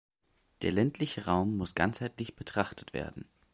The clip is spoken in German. Der ländliche Raum muss ganzheitlich betrachtet werden.